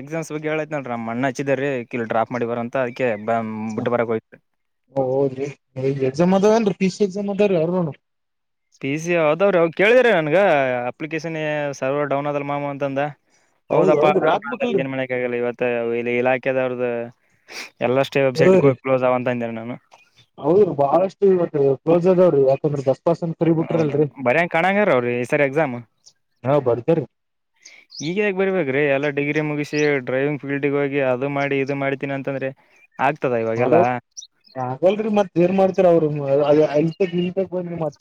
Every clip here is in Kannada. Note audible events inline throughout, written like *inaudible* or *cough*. ಎಕ್ಸಾಮ್ಸ್ ಬಗ್ ಹೇಳೈನಲ್ರಿ ನಮ್ಮ ಅಣ್ಣ ಹಚ್ಚಿದ ರೀ ಕಿ ಡ್ರಾಪ್ ಮಾಡಿ ಬರ ಅಂತ ಅದಕ್ಕೆ. ಬ ಬಿಟ್ಟು *unintelligible* ಬರಕ್ ಹೋಯ್ತು ಹೋಗಿ ಜಮದಾವೇನ್ ಪೀಶಲ್ ಎಕ್ಸಾಮ್ ಜಮಾದಾವ ರೀ ಅವಾರ ನೋನು ಪಿ ಸಿ ಹದ್ರೀ ಅವಾಗ ಕೇಳಿದಿರ ನನ್ಗ ಅಪ್ಲಿಕೇಶನ್ ಸರ್ವರ್ ಡೌನ್ ಅದಲ್ಲ ಮಾಾಮ್ ಅಂತಂದ ಹೌದ್ ಹೌದಪ್ಪ ಹೌದ್ರಿ ಹಾಕ್ಬೇಕಲ್ರರಿ ಏನ್ ಮನೆಕ್ ಆಗಲ್ಲ ಇವತ್ತ ಇಲ್ಲಿ ಇಲಾಖೆದವ್ರ್ದ. ಎಲ್ಲಷ್ಟೇ ವೆಬ್ಸೈಟ್ಗೂ ಕ್ಲೋಸ್ ಆಗ ಅಂತ ಅಂದೇನೆ ನಾನು ಹೌದು ಬಹಳಷ್ಟು ಇವತ್ತು ಕ್ಲೋಸ್ ಅ ಆದಾವ್ರು ಯಾಕಂದ್ರಷ್ಟ. ಹೌದಾ ಬರಂಗ ಕಣಂಗರ ಅವ್ರೀ ಈ ಸರ್ ಎಕ್ಸಾಮ. ಹಾ ಬರ್ತಾರೀ ಈಗ ಯಕ ಬರಬೇಕ್ರೀ ಎಲ್ಲ. ಡಿಗ್ರಿ ಮುಗಿಸಿ ಡ್ರೈವಿಂಗ್ಫೀಲ್ ಗೆ ಹೋಗಿ ಅದು ಮಾಡಿ ಇದು ಮಾಡ್ತೀನಿ ಅಂತಂದ್ರೆ. ಆಗ್ತದ ಮಾಡವ ಇವಾಗೆಲ್ಲಾ ಆಗಲ್ರರಿ ಮತ್ ಏನ್ ಮಾಡ್ತರ ಅವರು ಇಲ್ತಕ್ ಇಲ್ತಕ್ ಬಂದಿ ಮತ್.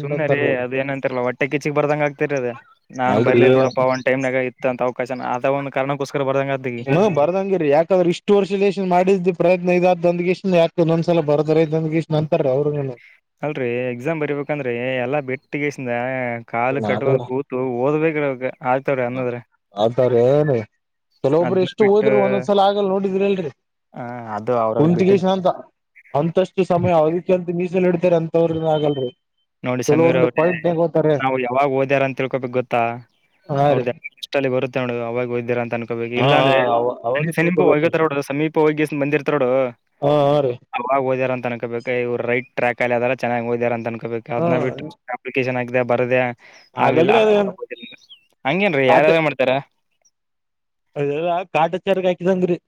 ಸುಮ್ಮನೆ ರೀ ಅದ ಏನ ಅಂತಿಲ್ಲ್ಲ ಹೊಟ್ಟೆ ಕಿಚ್ಚಿಗ್ ಬರ್ದಂಗಗೆ ಆಗ್ತಿರ ಅದ ನಾನನ್ ಅಲ್ರಿ ಬರ್ಲಿಲ್ಲ ನೋಡಪ್ಪ ಒನ್ ಟೈಮ್ನಾಗ ಇತ್ತ ಅಂತ. *unintelligible* ಒಂದು ಕಾರಣ. ಹ ಬರ್ದಂಗಿರರಿ ಯಾಕಾದ್ರೆ ಇಷ್ಟು ವರ್ಷ ಲೇಶನ್ ಮಾಡಿದಿ. ಪ್ರಯತ್ನ ಇದಾದ್ ದಂದ್ಗೀಷ್ ಯಾಕಕ್ಂದೊಂದ್ಸಲ ಬರ್ದ್ರ ದಂದ್ಗೀಷ್ ಅಂತಾರೆ ಅವ್ರ. ಅಲ್ರರಿ ಎಕ್ಸಾಮ್ ಬರಿಬೇಕಂದ್ರೆ ಎಲ್ಲಾ ಬೆಟ್ಟಗಸಿಂದ ಹ. ಕಾಲು ಕಟ್ಕೊಂಡ್ ಕೂತು ಓದ್ಬೇಕ್ರ ಆಯ್ತ. ಹ ಅತಾರೆ ಏನ. ಕೆಲವೊಬ್ರು ಅದ್ನ ಎಷ್ಟು ಬಿಟ್ಟ ಹೋದರು ಒಂದೊಂದ್ಸಲ ಆಗಲ್ ನೋಡಿದ್ರಿ ಅಲ್ರರಿ. ಹ ಅದು ಅವ್ರವ್ರ ಕುಂತಿಗೆ ಬಿಟ್ಟಿದ್ ಶಾಂತ ಅಂತಷ್ಟು ಸಮಯ ಅದಕ್ಕೆ ಅಂತ ಸಲ್ ಇಡ್ತಾರ ಅಂತವ್ರನ್ ಆಗಲ್ರಿ ನೋಡಿ ಸಮೀರ ಕೆಲವೊಂದು ಅವ್ರ ಪಾಯಿಂಟ್ ನೆಗೋತಾರೆ ನಾವು ಯಾವಾಗ ಓದ್ಯಾರ ಅಂತ ತಿಳ್ಕೋಬೇಕಕ್ ಗೊತ್ತಾ ಹಾ ರೀ ಅವ್ರದ್ದ ಅಷ್ಟಲ್ಲಿ ಬರುತ್ತೆ ನೋಡ ಅವಾಗೋದ್ದೀರ ಅಂತ ತನ್ಕೋಬೇಕು ಹಾ ಅವಾಗ ಇಲ್ಲಾಂದ್ರೆನಿ ಸಿಪ ತಿಳ್ಕೊಬೇಕ್ರಿ ಹೋಗತಾರೋಡು ಸಮೀಪ ಹೋಗಿಸ ಬಂದಿರ್ತಾರೋಡು ಹಾ ಹಾ ರೀ ಅವಾಗ ಹಓದ್ಯಾರ ಅನ್ಕೋಬೇಕು ಇವರು ರೈಟ್ ಟ್ರ್ಯಾಕ್ಲ್ಲಿ ಅಲ್ಲ ಚೆನ್ನಾಗಿ ಹೋಗದಾರ ಅನ್ಕೋಬೇಕು ಅದ್ ಹಾ ಬಿ ಅಪ್ಲಿಕೇಶನ್ ಆಗಿದೆ ಬರದದೆ ಆಗ್ಲಿಲ್ಲ ಆಗಲ್ರಿ ಅದ ಹಂಗೇನ್ೀ ಯಾರ್ಯಾರು ಮಾಡ್ತಾರ ಅಲ್ಲ ಕಾಟಚಾರಗ ಹಾಕಿದಂಗ್ರೀ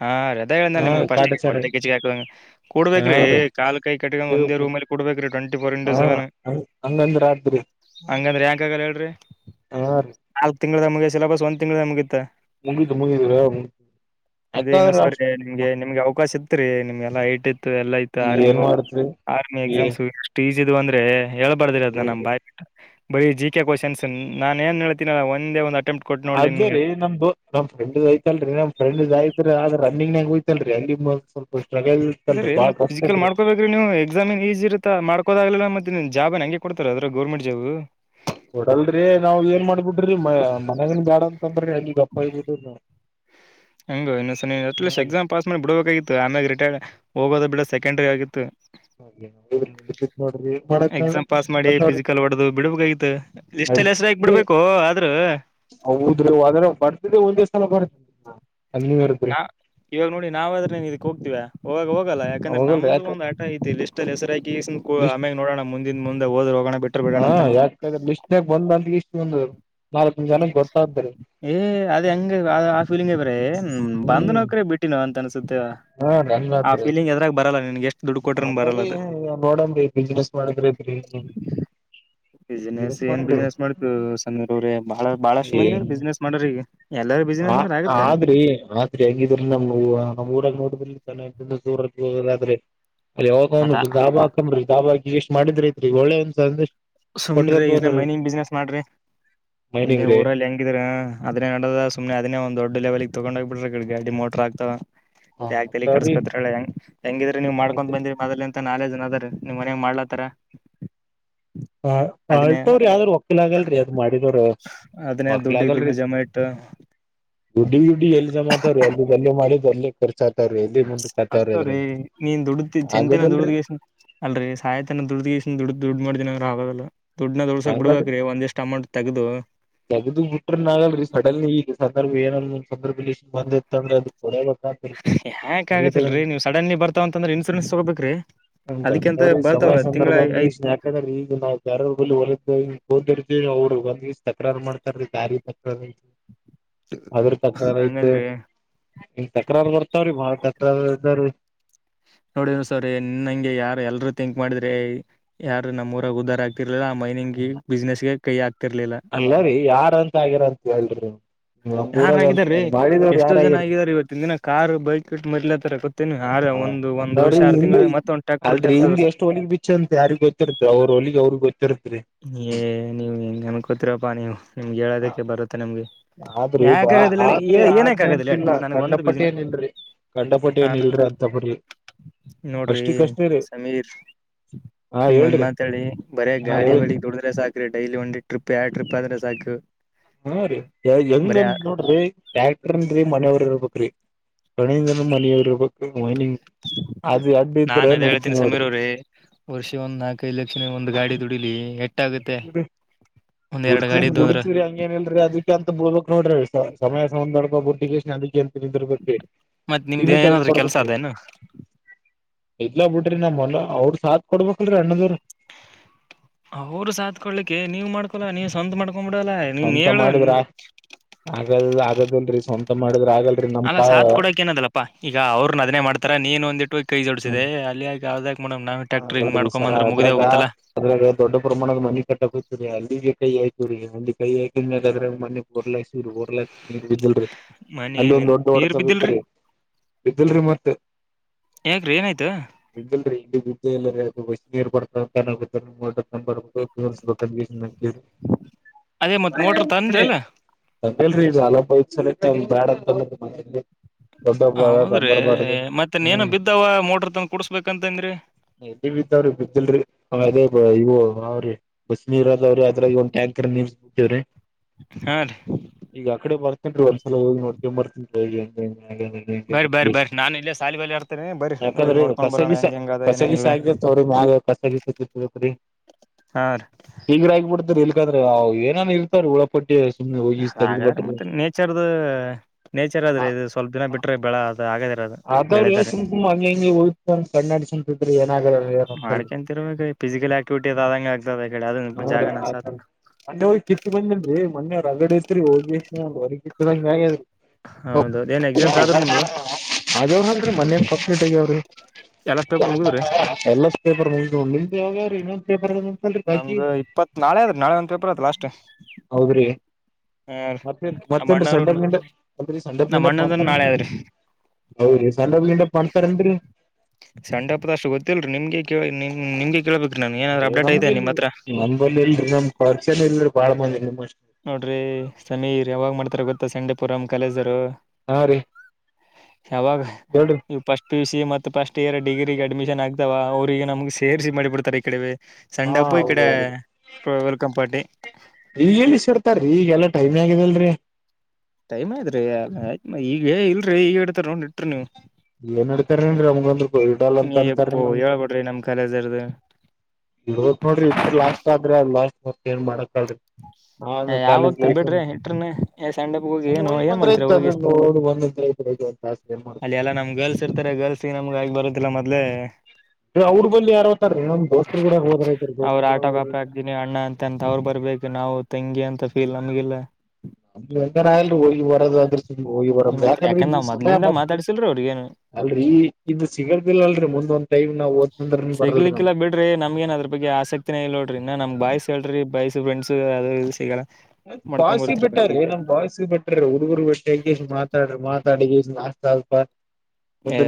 ಹ ಹಾ ರದಾ ಹೇಳ್ದನ ನಿಮ್ಗ್ ಫಸ್ಟ್ ಮಟ್ಟೆ ಕೆಚ್ಿಗೆ ಹಾಕಂಗ ಹಾ ಕೂಡ್ಬೇಕೇ್ರೀ ಕಾಲ್ ಕೈ ಕಟ್ಟ ಒಂದೇ ರೀ ರೂಮಲ್ಲಿ ಕೊಡ್ಬೇಕೀ ಟ್ವೆಂಟಿ ಫೋರ್ ಇಂಟು ಹಾ ಸೆವೆನ್ ಹಂಗಂದ್ರ ಆತ್ರಿ ಹಂಗಂದ್ರಿ ಯ್ಯಾಂಕ್ ಆಗ ಹೇಳ್ರಿ ಹಾ ರೀ ನಾಲ್ಕ್ ತಿಂಗಳದಾಗ ಮುಗಿಯ ಸಿಲೆಬಸ್ ಒಂದ್ ತಿಂಗ್ದ ಮುಗಿತ ಮುಗಿತು ಮುಂಗಿದರ ಮು ಅದೇ ನು ಸರಿ ನಿಮ್ಗೆ ನಿಮ್ಗೆ ಅವಕಾಶ ಇತ್ ರೀ ನಿಮ್ಗೆ ಎಲ್ಲಾ ಐಟ ಇತ್ತು ಎಲ್ಲಾ ಇತ್ತು ಆರ್ಮಿಗ್ ಏನ್ ಹೋಗಿ ಮಾಡತ್ರಿ ಆರ್ಮಿ ಏ ಎಕ್ಸಾಮ್ಸು ಎಷ್ಟು ಈಜ ಇದದುು ಅಂದ್ರೆ ಹೇಳ್ಬಾರ್ದಿ ಅದ್ ನಮ್ ಬಾಯ್ ಬಿಟ್ಟ ಬರೀ ಜಿ ಕೆ ಕ್ವಶನ್ಸ್ ನಾನ ಏನ್ ಹೇಳ್ತೀನಲ್ಲ ಒಂದೇ ಒಂದ ಅದೇ ರೀ ನಮ್ದ ನಮ್ ಫ್ರೆಂಡ ಐತಲ್ರಿ ನ್ ಫ್ರೆಂಡ್್ ಆಯತ್ ಆದ ರನ್ನಿಂಗ್ ನಾಗ ಹಯತಲ್ರಿ ಅಂಗಿಮ್ ಅದೇ ಮತ್ ಫಿಸಿಕಲ್ ಮಾಡ್ಕೊಬೇಕ್ರೀ ನೀವು ಎಕ್ಸಾಮ ನ್ ಈಸಿ ಇರತ್ತಾ ಮಾಡ್ಕೋದಾಗ್ಲಿಲ್ಲ ಮತ್ತೆ ಜಾಬನ್ ಹಂಗೆ ಕೊಡ್ತಾರೆ ಅದ್ರ ಗೌರ್ಮೆಟ್ ಜಾು ಕೊಡಲ್ರಿ ನಾವ್ ಏನ್ ಮಾಡ್ಬಿಟ್ರಿ ಮ ಮನಗನ್ ಬ್ಯಾಡ ಅಂತ ಅಂದ್ರಿ ಅಲ್ಲಿ ಅಪ್ಪಾಯಬಿ ಹಂಗು ಇನ್ನು ಸಷ್ಟ ನಾವ್ ಎಕ್ಸಾಮ ಪಾಸ್ ಮಾಡಿ ಬಿಡಬೇಕಾಗಿತ್ತು ಆಮ್ಯಲೆ ರಿಟೈರ್ಡ್ ಹೋಗೋದ ಬಿಡ ಕಂಡ್ರಿ ಆಗಿತ್ತು ನೋಡ್ರಿ ಮಾಡಕ್ ಎಕ್ಸಾಮ್ ಪಾಸ್ ಮಾಡಿ ಫಿಸಿಕಲ್ ಹೊಡೆದು ಬಿಡ್ಬೇಕಾಗಿತ್ತು ಇಷ್ಟಲ್ಲಿ ಹೆಸ್ರಾಗಿ ಬಿಡ್ಬೇಕು ಆದ್ರೂ ಹೌದ್ರೀ ಬರ್ತದೆ ಒಂದೇ ಸ್ಲ ಬರ್ತದೆ ನಾ ಇವಾಗ ನೋಡಿ ನಾವ ಆದ್ರೆ ಇದಕ್ ಹೋಗ್ತಿವ ಹವಾಗ ಹೋಗಲ್ಲ ಯಾಕಂದ್ರೆ ಹೋಗಲ್ರಿ ನಮ್ದು ಯಾಕ ಒಂದಂದು ಆಟ ಐತಿ ಲ್ಟ್ ಹೆಸರಾಕಿ ಲಿಸ್ಟ್ ಆಮ್ಯೆ ನೋಡೋಣ ಮುಂದಿನ ಮುಂದೆ ಹದ್ರ ಹೋಗೋಣ ಬಿಟ್ರ ಬಿಡೋಣ ಹಾ ಅಂತ ಯಾಕ್ರ ಲ ಇಷ್ಟನಾಗ ಬಂದ ಅಂತ ಇಷ್ಟು ಬಂದರು ಏ ಅದ ಹೆಂಗ ಅ ಆ ಫೀಲಿಂಗ್ ಬ ಬಂದ್ ಹ್ಮ್ ನೌಕ್ರ ಬಿಟ್ಟಿನ ಅಂತ ಅನ್ಸುತ್ತೇವ ಆ ಫೀಲಿಂಗ್ ಎದ್ರಾಗ ಬರಲ್ಲ ನಿನ್ಗೆ ಎಷ್ಟು ಅದ್ರೀ ನೋಡಿ ಬಿಸ್ನನೆಸ್ ಮಾಡಿದ್ರ ಇದ್ರಿ ಬಿಸ್ನೆಸ್ ಏನ್ ಬಿಸ್ನನೆಸ್ ಮಾಡ್ತುರ ಷಣ್ಮುಗ ಅವರೇ ಬಹಳ ಬಹಳಷ್ಟು ಮಂದಿ ಏನ್ ಬಿಸ್ನೆಸ್ ಮಾಡ ಎಲ್ಲಾರ ಬಿಸ್ನೆಸ್ ಆ ಅಂದ್ರೆ ಆಗತ್ತಾನೆ ಆದ್ರಿ ಆದ್ರರಿ ಹೆಂಗಿದ್ರ ನಮ್ ನಮ್ಮ ಊರಾಗ ನೋಡ್ಬ ದೂರ ಹೋಗ್ರೆ ಅಲ್ಲಿ ಮತ್ತ ಹೋಗಿ ಡಾಬಾ ಎಷ್ಟ ಮಾಡಿದ್ರಐತ್ರಿ ಒಳ್ಳೆ ಒಂದ್ ಸಂದೇಶ ಸುಮ್ರಿ ಕೊಟ್ಕೊಂತ ಇದ ಹೋದ್ರಿ ಮೈನಿಂಗ್ ಬಿಸ್ನೆಸ್ ಮಾಡ್ರಿ ಇಲ್ಲ ಮೈನಿಂಗ್ ರೀ ಊರಲ್ಲಿ ಹೆಂಗಿದ್ರ ಅದನ್ನೇ ನಡದ ಸುಮ್ನೆ ಅದನ್ನೇ ಒಂದ್ ದೊಡ್ ಲೆವೆಲ್ ತಗೊಂಡ್ಗಬ ಬಿರ ಕಡೆ ಗಾಡಿ ಮೋಟರ್ ಆಗ್ತಾವ ಹ ಆಗ್ಲಿ ಸರಿ ಕಡಸ್ಕೊತಲ್ಲ ಹೆ ಹೆಂಗಿದ್ರೆ ನೀವ್ ಮಾಡ್ಕೊಂಡ್ ಬಂದಿರಿ ಮೊದ ಮತ್ತ ನಾೆ ಜನ ಅದಾರ ನಿಮ್ ಮನ್ಯಾಗ ಮಾಡ್ಲತ್ತಾರ ಹ ಅದನ್ನೇ ಅಳ್ತವ್ರಿ ಯಾವ್ದ್ರ ಒಕ್ಕೀಲ್ ಆಗಲ್ರಿ ಅದ್ ಮಾಡಿದ್ರ ಅದೇ ದುಡ್ಡಿಗೆ ದುಡ್ಡು ಜಮ ಇಟ್ಟು ಗುಡ್ಡಿ ಗುಡ್ಡಿ ಎಲ್ಲಿ ಜಮಾತ ಅಲ್ಲಿ ಅಲ್ಲೇ ಮಾಡಿದ ಅಲ್ಲೇ ಖರ್ಚ ಆಗ್ತ ಮು ಆಗ್ತವ್ರೀ ನೀನ್ ದುಡ್ದ ಚಂತಿನನ ದುಡ್ದಗಷ್ಟ ಅಲ್ರಿ ಸಾಯತನ ದುಡ್ದಗಷ್ಟನ್ ದುಡ್ದ ದುಡ್ಡು ಮಾಡ್ದಿನನ ನಾವದಲ್ಲ ದುಡ್ ನ ದೊಳ್ಸಕ್ ಬಿಡ್ಬೇಕ್ರೀ ಒಂದಿಷ್ಟ್ ಅಮೌಂಟ್ ತಗ್ದದು ತಗ್ದ ಬಿಟ್ರ ಆಗಲ್ರಿೀ ಸಡನ್ ಇ ಸಂದರ್ಭ ಏನಲ್ ಒ ಸಂದರ್ಭ ಬಂದಿತ್ತ ಅಂದ್ರೆ ಅದು ಕೊಡಬೇಕತ್ರಿ ಯಾಕ್ ಕೊಡ್ಲಿಕ್ಕಂದ್ರ ಆಗತಿಲ್ರರಿ ನೀವು್ ಸಡನ್ನಿ ಬರ್ತಾವಂತಂದ್ರೆ ಇನ್ಸೂರೆನ್ಸ್ ತಗೋಬೇಕ್ರಿ ಹ ಬರ್್ರೀ ಸಭಾ ಸಂದರ್ಭ ಬಂದ ಇ ಯಾಕಂದ್ರ ಈಗ ನ ಯ ಹೊ ಓದಿರ್ ಅವರು ಒಂದ್ಿವ ತಕ್ರಾರು ಮಾಡ್ತಾರೀ ದಾರಿ ತಕ್ರಾರ ಅಂತ ಅದ್ರ ತಕ್ರಾರ ಐ್ತೆ ಹಂಗಂದ್ರಿ ಹಂಗ ತಕ್ರಾರ ಬರ್ತಾವ್ರಿ ಬಾಳ ತಕ್ರಾರ ಇದದ್ರೀ ನೋಡಿ ಸರ್ ನಿನ್ಂಗೆ ಯಾರ ಎಲ್ರುೂ ತಿಿಂಕ್ ಮಾಡಿದ್ರೆ ಯಾರ ನಮ್ಮ್ೂಊಾಗ ಉದಾರಾ ರ್ಲಿಲ್ಲಾ ಮೈನಿಂಗಗೆ ಬಿಸ್ನೆಸ್ಗೆ ಕೈ ಹಾತ ಅಲ್ಲ ರೀ ಯಾರ ಅಂತ ಆಗ್ಯಾರ ಅಂತ ಹೇಳ್ರಿ ನೀವ್ ನಮ್ಮೂರಾಗ ಅಂತ ಯಾರಾಗಾರೀ ಮಾಡಿದವ್ರ ಎಷ್ಟೋ ಯಾರ ಜನ ಆಗ್ಯಾರಿ ಆಗಿದಿದ್ದಾರೆ ಇವತ್ತಿನ ದಿನ ಕಾರ್ು ಬೈಕ್ ಇ ಮೊದ್ಲ ಹ ಮ್ರ ಹಿಂದ ತಿಂಗಳ ಮತ್ತ ಒಂದ್ ಅಲ್ ಟ್ರ್ಯಾಕ್ಟರ್ ತರ್ತದ ಹಿಂಗ್ ಎಷ್ಟು ಹೋಲಿಗೆ ಬಿಚ್ಚ ಅಂತ ಯಾರಿಿಗೆ ಗೊತ್ತಿರ್ತ ಅವ್ರ ಹೊಲಿಿಗೆ ನೀವ್ ಹೆಂಗ ನನ್ಕೋತಿರಪ್ಪಾ ನೀವು ನಿಮ್ಗೆ ಹೇಳೋದಕ್ಕೆ ಬರುತ್ತೆ ನಿಮ್ಗೆ ಆದ್ರಿ ಬಾ ಯಾಕಾಗಿಲ್ಲ ಹೇಳಿ ಆದ್ರಿ ಏನಕ ಆದ್ನಿ ಆಗದಿಲ್ಲ ಹೇಳಿ ನನಗೆ ಒಂದು ಬಿಸಿನನೆಸ್ ಕಂಡಪಟ್ಟೇಏನ ಇಲ್ರ ಅಂತ ಬ್ರ ನೋಡ್ರಿ ಸಮೀರ್ ಹಾ ನಿಮ್ಮ ಒಂದು ಹೇಳ್ರಿ ಮಾತು ಮಾತಾಿ ಬರೇ ಹಾ ಗಾಡಿ ಹೇಳಿ ಬಳಿ ದುಡ್ರ ಸಾಕು ಡೈಲಿ ಒಂದು ಟ್ರಿಪ್ ಯಾವ ಟ್ರಿಪ್ ಆದ್ರೆ ಸಾಕು ಹಾ ರೀ ಬರೀ ಹೆಂಗಂತ ನೋಡ್ರಿ ಟ್ಯಾಕ್ಟರ್ ಮನೆಯವರಪ್ರ ಕಣಂದನ ಮನೆಯವರಪ ಮೈನಿಂಗ ನಾನ್ ಅದ್ ಹೇಳ್ತಿನಿ ಸಮೀರ ಅವ್ರೀ ವರ್ಷ ಒಂದ್ ನಾಲ್ಕೈದುಲೆಕ್ಷನ್ ಒಂದು ಗಾಡಿ ದುಡ್ಡು ಎಟ್ಟಾಗುತ್ತೆ ಗಡ್ ಗುಡತಿ ಹಂಗ ಏನ ಇಲ್ರರಿ ಅದಿ ಅಂತ ಬಳ್ಬಕ್ ನೋಡ್ರಿ ಸಮಯಡ್ ಬ ದ ಅಂತಿರ್ಬೇಕ್ರಿ ಮತ್ ನಿಮ್ದ ಸೀಮಿತ ಏನಾದ್ರು ಕೆಲ್ಸ ಕೊಡ್ಬೇಕ್ರಿ ಅದೇನು ಇ್ಲ ಬಿಡ್ರಿ ನಮ್ಮಲ್ಲ ಅವ್ರ ಸಾತ್್ ಕೊಡ್ಬೇಕಲ್ರರಿ ಅಣ್ಣದರು ಅವರು ಸಾತ್ ಕೊಡ್ಲಿ ನೀವು್ ಮಾಡ್ಕೊಲ್ಲ ನೀ ಸ್ಂತ ಮಾಡ್ಕೊಬಿಡಲ್ಲ ನೀನ್ ಸ್ವಂತ ಹೇಳ ನೀ ಮಾಡಿದ್ರ ಆಗಲ್ ಆಗದಲ್ರರಿ ಸ್ವಂತ ಮಾಡಿದ್ರ ಆಗಲ್ರರಿ ನಮ್ ಅಲ್ಲ ಕಾ ಸಾತ್ ಕೊಡಕ್ ನದಲಪ್ಪಾ ಈಗ ಅವ್ರರು ನ ಅದ್ನೆ ಮಾಡ್ತಾರ ನೀನ್ ಒಂದಿಟ್ಟು ಕೈ ಜೋಡಸಿದೆ ಅಲ್ಲಿಯಗ ಯಾವ್ದಾಗ ಹಿ ಸರ ಅದ್ರಾಗ ಅದ್ರಾಗ ದೊಡ್ಡ ಪ್ರಮಾಣದ ಮನೆಿ ಕಟ್ಟಕತರಿ ಅಲ್ಲಿಗೆ ಕೈ ಆಯ್ತು ಸುಲ್ಲಿ ಕಹನ್ನೇ ಕಾದ್ರ ಮನೆ ಓರ್ಲಾಯ ಓರ್ಲ ನೀರು ಬಿದ್ದಲ್ರಿ ಮನಿ ಅಲ್ಲಿ ಒಂದ್ ನಿನ್ ದೊಡ್ಡ ನೀರ್ ಬಿದ್ದಿಲ್ರಿ ಡತಗತ್ರಿ ಇ್ದಲ್ ರ ಮತ್ ಯಾಕ್ರೀ ಏನಾಯ್ತಾ ಬ ನೀರ್ ಅದೇ ಮತ್ ಮೋಟ್ರ ತಂದ್ರಲ್ಲ ಲ್ೀ ಈಲ ಬಲ ಒ ಬ್ಯಾಡ ದೊಡ್ಡಬ್ಬ ಹೌದ್ರಿ ತಂಬರ್ಬಾಡ್ದು ಮತ್ತೆನ್ ಏನ ಹ್ಮ್ ಬಿದ್ದಾವ ಮೋಟ್ರ ತಂಗ ಕುಡ್ಸ್ಬೇಕಂತಂದಿ ಎಲ್ಲಿ ಬಿದ್ದಾವ್ರಿ ಬಿದ್ದಿಲ್ರಿ ಅದೇ ಇವು ಅವ್ರಿ ಬಸ್ ನೀರದಾವ್ರಿ ಅದ್ರಾಗಂದು ಟ್ಯಾಂಕರ್ ನೀ ಬಿಟ್ಟೇವ್ರಿ ಹಾ ರೀ ಈಗ ಅಕಡೆ ಬರ್ತನ್ೀ ಒಂದ್ಸಲ ಹೋಗಿ ನೋಡ್ಕೊ ಬರ್ತನ್ಿ ಹಗೆ ಹೆಂಗ ಬರಿ ಹಾಗ ಬರಿ ಬರಿ ನಾನ್ ಇಲ್ಲೇ ಸಾಲಿ ಬಲಿ ಆರ್ತೇನಿ ಬರಿ ಹೋಗಿ ಯಾಕಂದ್ರೆ ನೋಡ್ಕೊಂಡ್ ಬರೋಣ ಸಗಿಸ ಹೆಂಗ ಹೆಂಗ ಅದ ಸಗ ್ರ ಏನೇನಿಲ್ಲ ಕಸೀ ಹಾ ರೀ ಹಗ ಆಗಬಿಡ್ತರಿ ಯಾದ್ರೆ ಏನನ್ ಇರ್ತಾರ ಉುಳಪಟ್ಟಿ ಹಾಗಾದ್ರೆ ಮತ್ತೆ ನೇಚರ್ದು ನೇಚರ್ ಅ ಆದ್ರೆ ಇದು ಸ್ವಲ್ಪ ದಿನ ಬಿಟ್ರೆ ಬೆಳ ಅದು ಹಾಗಾದ ಅದ್ರರು ಸುಮಕುಂಬ ಹಂಗ ಹಂಗಗೆ ಹಯ್ತ ಕಣನಾಡಿ ಸುಮತಿದ್ರಿ ಏನಾಗಲ್ಲ ಏಲ್ರಿ ಮಾಡ್ಕೊಂತಿರ್ಬೇಕ ಫಿಸಿಕಲ್ ಆಕ್ಟಿವಿಟಿ ಅ ಅ ಆದಂಗೆ ಆಗ್ತದೆಿ ಅದ ಜಾಗ ಅಂಡೆ ಹೋಗಿತ್ ಬಂದಿಲ್ ಮೊಿವ್ರುಗಡೆ ಇಐತ್ರಿ ಹೋಗಿ ಎಷ್ಟ ಹೊರಗ್ ಕಿತ್ತದ ಹ ಅದ್ರಿ ಹೌದೌದು ಏನ್ ಎಕ್ಸಾಮ್ಸ್ ಆದ್ರರು ನಿಮ್ಗ ಅ ಅವರು ಅಲ್ರಿ ಮನ್ ಫಸ್ಟ್ಟಗ್ಯ ಅವ್ರಿ ಎಲ್ಲ ಪೇಪರ್ ಮುಗಿದ್ರಿ ಎಲ್ಲ ಪೇಪರ್ ರಲಿಿಂದವಾರಏತ್ತ ನಮ್ದು ಇಪ್ಪತ್ ನಾಳೆ ಅದ್ರೆ ನಾಳೆ ಒಂತಪರ ಅತ್ ಲಾಸ್ಟ್ ಹಾ ಮತ್ತೆ ನಮ್ಮ ಮತ್ತೆಂದು ಅಣ್ಣವ್ರ ಸಂಡಪ್ ಗಿಂಡಪ್ ಅರಿ ಸಂಡಪ್ ನಮ್ಮ ಗಿಂಡಪ್ ಮಾಡ್ತಾ ಅಣ್ಣದನ್ ಹೌದು ಸಣ್ಣ ಹಪದ ಅಷ್ಟು ಗೊತ್ತಲ್ರಿ ನಿಮ್ಗೆ ಕೇಳಿ ನಿಮ ನಿಮ್ಗೆ ಕೇಳ್ಬೇಕ ನಮ್ಗೆಲ್ ನಲ್ಲಿ ಎಲ್ರಿ ನಮ್ ಪರ್ಚಲ್ ಎಲ್ರಿ ಬಾಳ ಮಂದಿ ನಿಮ್ಷ್ಟ ನೋಡ್ರಿ ಸಮೀರ್ ಯಾವಾಗ್ ಮಾಡ್ತಾರ ಗೊತ್ತಾ ಸಂಡೆಪುರಂ ಕಲೇಜರು ಹಾ ರೀ ಯಾವಾಗ ಹೇಳ್ರಿ ನೀವು ಪಸ್ಟ್ ಪಿ ಸಿ ಎ ಮತ್ತು ಫಸ್ಟ್ ಇಯರ್ ಡಿ್ರಿಗೆ ಅಡ್ಮಿಷನ್ ಆಗ್ತಾವ ಅವ್ರರಿಗೆ ನಮ್ಗೆ ಸೇರಿಸಿ ಮಾಡಿಬಡ್ತ ಈ ಕಡೆ ಹಾ ಸಂಡಪ್ಪು ಇಕಡೆ ಹೌದೌದು ವಲ್ಕಂ ಪಾರ್ಟಿ ಇತ್ತೀ ಈಗಗೆಲ್ಲಾ ಟೈಮಿ ಆಗಿದೆಲ್ರರಿ ಟೈಮ್ಯ್ತ್್ರರಿಯತ್ ಈಗ ಇಲ್ರಿೀ ಈಗ ಹೇಡ್ತರ್ ನೊಂಡ್ ಇಟ್ರಿ ನೀವವು ಏನ್ ಇಡ್ತಾರೇನ್ರಿ ನಮ್ಗಂದ್ರ ಇಡಲ್ಲ ಅಂತ ನೀ ಅಂತಾರೀ ಎಪ್ಪೋ ನಮ್ ಹೇಳಳ್ಪಡ್ರಿ ನಮ್ಮ್ ಕಲಜರುದು ಇತ್ ನೋಡ್ರಿ ಇಟ್ರಿ ಲಾಸ್ಟ್ ಆದ್ರ ಅ ಲಾಸ್ಟ್ ಮತ್ತತ್ ಏನ್ ಮಾಡಕಲ್ಿ ಹಾ ಯಾವ ಕಾಲೇಜ ಹೋಗ್ತಿರ್ ಬಿಡ್ರಿ ಇಂಟರ್ನ್ ಸ್ಯಾಂಡಪ್ ಹೋಗಿ ಸುಮ ಏನು ಹೋಗ ಏನ್ ಮಾಡ್ತಿರ ಹೋಗಿ ಬಂದ್ರೆ ಇತ ಅ ಅಲ್ಲಿ ಎಲ್ಲಾ ನಮ್ ಗರ್ಲ್ಸ್ ಇರ್ತಾರೆ ಗರ್ಲ್ಸ್ ಈ ನಮ್ಗ ಆಗಿ ಬರತ್ತದಿಲ್ಲ ಮೊದ್ಲೆ ಅವ್ರ ಬ ಯಾರತಾರೀ ನಮ ದೋಸ್ತ್ರು ಕೂಡ ಹೋದ ಐತೆರಿ ಅವ್ರ ದೋಸ್ತತ್ ಕೂಡ ಆಟೋ ಹೋದಐರಿ ಕಾಪಿ ಹಾಕ್ತೀನಿ ಅಣ್ಣ ಅಂತ ಅಂತ ಅವ್ರು ಬರ್ಬೇಕು ನಾವು ತಂಗಿ ಅಂತ ಫೀಲ್ ನಮ್ಗೆಲ್ಲ ಮಂಗನ ಅಲ್ರಿ ಹೋಗಿ ಬರೋದ ಆದ್ರ ಹೋಗಿ ಬರ ನಿಮ್ಮತ್ರ ಯಾಕಂದ್ರೆ ಯಾಕಂದ್ರ ಈ ನಾವ್ ಸಮಯ ಮೊದ್ಲಿಂದ ಮತ್ತ ಮಾತಾಡ್ಸಿಲ್ರಿ ಅವ್ರಿಗೇನು ಅಲ್ರರಿ ಇದು ಸಿಗಲ್ದಿಲ್ಲ ಅಲ್ರರಿ ಮುಂದೊಂದು ಸಿಗ್ಲಿಕ್ಕಿಲ್ಲ ಬಿಡ್ರಿ ನಮ್ಗೇನ್ ಅದ್ರ ಬಗ್ಗೆ ಆಸಕ್ತಿನೇ ಇಲ್ಲ ನೋಡ್ರ ಇ ನಮ್ ಬಾಯ್ಸ್ ಹೇಳ್ರಿ ಬಾಯ್ಸ ಫ್ರೆಂಡ್ಸ್ ಅ ಬಾವಿಸಿಿ ಬಿಟ್ಟ್ರ ಏನಮ್ ಬಾವ್ಿಸಿ ಬಿಟ್ಟ್ರ ಹುಡುಗರು ಬಿಟ್ಟ್ ಮಾತಾ್ರ ಮಾತಾಡಿಾಸ್ತ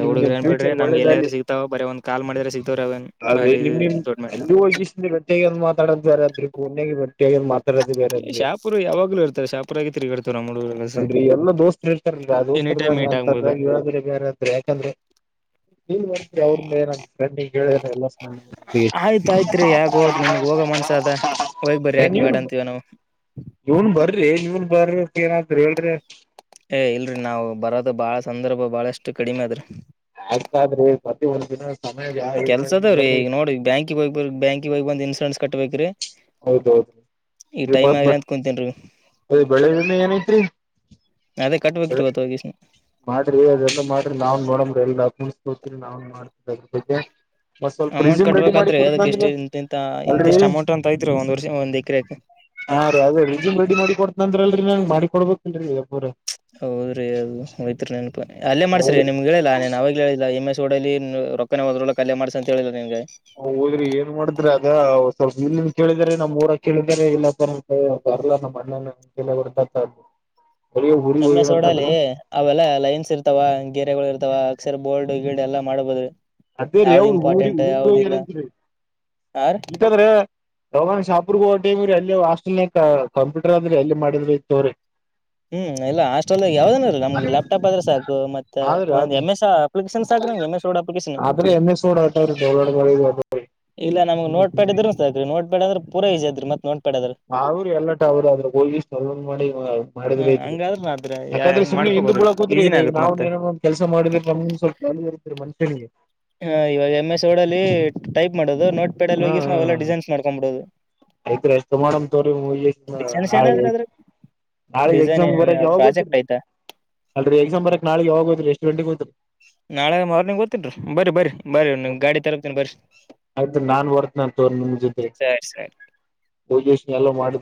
ಹುಡುಗ್ರರು ಅನ್ ಬಿಡ್ರಿ ನಮ್ಗೆ ಎಲ್ಲಾದ್ರೆ ಒಳ್ಳೇದಲ್ಲಿ ಸಿಗ್ತಾವ ಬರೀ ಒಂದ್ ಕಾಲ್ ಮಾಡಿದ್ರ ಸಿಗ್ತವ್ರ ಅವನ್ ಬರೀ ದೊಡ್ ಮಿಟ್ರ ಇೀ ಭೇಿಿಯಾಗಿ ಒ್ ಮಾತಡದ ಬೇಾದ್ರೆ ಪುಣೆಗೆಗೆ ಭಟ್ಟಿಯಾಗಿ ಅ ಮಾತಾಡೋದು ಬೇರೆಾದ್ರೆ ಶಾಪುರ್ ಯಾವಾಗ್ಲೂ ಇರ್ತಾರೆ ಶಾಪುರಾಗೆ ತಿರುಗಾಡ್ತಾವ ನಮ್ ಹುಡುಗ್ರು ಅಲ್ರಿ ಎಲ್ಲ ದೋಸ್ತರು ಇರ್ತಾರಲ್ರಿ ಆ ಎನಿ ಟೈಮ್ ದೋಸ್ತರ್ಂಗ ಮೀಟ್ ಆಗ್ಬೋದು ಅಂತಾರ ಇವ ಬೇರೆತ್ರ್ರ ಯಾಕಂದ್ರೆ *inaudible* ನೀ ಬರ್ರಿ ಅವ್ರ ಮ ನಫ್ರಂಡ್ ಹೇಳಿದ ಎಲ್ಲ ಯತ್ರಿ ಯಾಗೋ ನಿಮ್ಗ್ ಹೋಗ ಮನ್ಸ ಅ ಹೋಗ್ ಬರರಿ ಯಾಕ ನೀನ್ ಬೇಡ ಅಂತಿವವ ನಾವು ಇವ್ನ್ ಬರ್ರಿ ಇವ್ನ್ ಬರ್ರಕ್ ಏನಾದ್ರಿ ಹೇಳ್ರಿ ಏ ಇಲ್ರರಿ ನಾವವು ಬರೋದ ಬಾಳ ಸಂದರ್ಭ ಬಾಳಷ್ಟು ಕಡಿಮೆ ಅದ್ರಿ ಆಗ್್ತಾದ್ರಿ ಪ್ರತಿ ಒಂದ್ ದಿನ ಸಮಯ ಮಾಡ ಕೆಲ್ಸ ಅದಾವ್ರೀ ಬರ್ರಿ ಈ ನೋಡಿ ಬ್ಯಾಂಕಿಗೆ ಹೋಗಿ ಬ್ಯಾಂಕಿಗೆ ಹೋಗಿ ಬಂದ ಇನ್ಶೂರೆನ್ಸ್ ಕಟ್ಬೇಕ್ರೀ ಹೌದೌದು ಇ ಬ ಆಗ್ಲಿ ಬಟ್ ಅಂತ ಕುಂತೇನ್ರಿ ಅದೇ ಬೆಳಿದಿಂದ ಏನೈತ್ರಿ ಅದೇ ಅದ ಕಟ್ಬೇಕ್ರಿ ಇವತ್ತು ಹೋಗಿ ಮಾಡ್ರಿ ಅದೆಲ್ಲ ಮಾಡ್ರಿ ನಾವ್ ನೋಡ್ರ ಎಲ್ಲಾಕ ೋ ನಾನ್ ಮಾಡ್ತ್ರ ಬ ಮತ್ ಅಮೌಂಟ್ ಸ್ವಲ್ಪ ಿಸ್ಯಮ್ ರೆಡಿ ಮಾಡಿ ಕಟ್ಬೇಕಾದ್ರೆ ಅದಕ್ ಇಷ್ಟ ಕುಡುದಂದ ಇಂತಿಂತ ಇಂತಿಷ್ಟ್ ಅಮೌಂಟ್ ಅಂತ ಐತ್ರಿ ಒಂದ್ ವರ್ಷ ಒಂದ್ ಎಕರೆಕ್ ಹಾ ರೀ ಅದೇ ರಿಜ್ಯಮ್ ರೆಡಿ ಮಾಡಿ ಕೊಡ್ತನಂದ್ರಲ್ರಿ ನಂಗೆ ಮಾಡಿಿಕ ಕೊಡ್ಬೇಕು ಲ್ರಿ ಪುರ ಹೌದ್ರಿ ಅದು ಹೋಯ್ತ್ರಿ ನೆನಪು ಅಲ್ಲೇ ಮಾಡಸ್ರಿ ಹೌದ್ರಿ ನಿಮ್ಗೆ ಹೇಳಿಲ್ಲ ನನ್ ಅವಾಗ ಹೇಳಿಲ್ಲ ಎಮ ಎಸ್ೋಡ ಅ ರೊಕ್ಕನೆ ಹದ್ರೊಳಕ ಅಲ್ಲ ಮಾಡಸ ಅಂತ ಹೇಳಿಲ್ಲ ನಿನ್ಗೆ ಹೋದ್ರಿ ಏನ್ ಮಾಡಿದ್ರಿ ಅಗ ಸ್ವಲ್ಪ ಇಲ್ಲಿಂದ ಕೇಳಿದ್ರ ನಮ್ ಊರ ಕೇಳಿದ ಇಲ್ಲ ಬರ್ಲ್ಲ ನಮ್ಮ ಅಣ್ಣನ ಹೊರ್ತತದು ಕಮ್ಮೆ ಸೋಡಾಲಿ ಅವೆಲ್ಲ ಲೈನ್ಸ್ ಇರ್ತಾವ ಗಗೆರೆಗಳು ಇರ್ತ ಅಥವಾ ಅಕ್ಷರ ಬೋಲ್ಡ್ ಗಿಡ್ ಎಲ್ಲಾ ಮಾಡ್ಬೋದ್ರಿ ಅದೇ ರೀ ಯಾವ್ದ್ ಅವ್ರ ಊರಿ ಇಂಪಾರ್ಟೆಂಟ್ ಊರಿಗ ಯಾವ್ದ ಇಲ್ಲ ಏನಂತರಿ ಆರ್ ಇಂತದ್ರೆ ಅವ ಶಾಪರ್ಗ ಹ ಟಮ್ರರಿ ಅಲ್ಲಿ ಹಾಸ್ಟೆಲ್ ನ ಕಂಪ್ಯೂಟರ್ ಆದ್ರಿ ಅಲ್ಲಿ ಮಾಡಿದ್ರೆ ಇ ತವ್ರಿ ಹ್ಮ್ ಇಲ್ಲ ಹಾಸ್ಟೆಲ್ ಯಾವ್ದೇನಲ್ಲ ನಮ್ ಲ್ಯಾಪ್ಟಾಪ್ ಆದ್ರೆ ಸಾಕು ಮತ್ತೆ ಆದ್ರಿ ಒಂದು ಆದ್ರಿ ಎಮ್ ಎಸ್ ಅಪ್ಲಿಕೇಶನ್ ಸಾಕು ಎನ್ನ ಸೋಡಾ ಆದ್ರೆ ಎಮ್ ಎಸ್ ೋಡ್ ಆಟ ಡೌಲೋಡ್ ಇಲ್ಲ ನಮಗ್ ನೋಟ್ಪ್ಯಾಡ್ ಇದ್ರನ್ ರ ನೋಟ್ಪ್ಯಾಡ್್ರ ಪೂರಾಜ ಅ್ರ ಮತ್ ನೋ ಅವರು ಎಲ್ಲಟ ಅವ್ರರು ಅದ್ರ ಹೋಗಿ ಸಲ್ ಮಾಡಿ ಹ್ಮ ಮಾಡಿದ್ಐತ್ರಿ ಹಂಗಾದ್ರ ನಾದ್ರ ಯಾಕಂದ್ರೆ ಹೆಂಗ್ ಸುಮಿ ನಿ ಬ ಮಾಡ್ಕೋಬೋದ್ರಿ ಬಿಳ ಕೂತ್್ರರಿ ಈಸಿನೇ ಏ ಈಗ ಆಗತ್ ನಾವು ಮತ್ತೆ ನ ಕೆಲಸ ಮಾಡಿದ್ರ ನಮ ಸ್ವಲ್ಪ ಜಾಲಿ ಇದೀರಿ ಮನುಷ್ಯನಿಗೆ ಹ ಇವಾಗ ಎಂ ಎಸ್ ೋಡ್ ಅಲ್ಲಿ ಟೈಪ್ ಮಾಡೋದು ನೋಟ್ ಪೆಡ ಅಲ್ಲಿ ಹೋಗಿಸ ನಾವೆಲ್ಲಾ ಡಿಸೈನ್ಸ್ ಮಾಡ್ಕೊಂಡ್ಬಿಡೋದು ಆಯ್ತ್ಷ್ಟ ಮಾಡಮ್ ತೋರಿ ಡಿಸೈನ್ಸ್ ಏನಾದ್ರ ಹಾಗೆ ಅದ್ರ ನಾಳಗ್ ಡಿಸೈನ್ ಎಕ್ಸಾಮ್ ಏನ ಬರಕ್ ಯಾವಾಗ ಗತ್ತರಿ ಪ್ರಾಜೆಕ್ಟ್ ಆಯ್ತಾ ಅಲ್ರಿ ಎಕ್ಸಾಮ್ ಬರಕ್ ನಾಳಗ್ ಯಾವಾಗ ಗೋತ್ರಿ ಎಷ್ಟು ಗಂಟೆಗೆ ಗಂತ್ರಿ ನಾಳೆ ಮಾರ್ನಿಂಗ್ಓ್ೇನ್ರಿ ಬನ್ರಿ ಬನ್ರಿ ಬನ್ರಿ ನೀ ಗಾಡಿ ತರತೀನಿ ಬರರಿ ಆಯ್ತ ನಾನ್ ಹೊರ್ತನಾ ತೋರ್ ನಿಮ ಜೊತೆ ಸರಿ ಸರಿ ಪಲ್ೂಷನ್ ಎಲ್ಲ ಮಾಡಿದ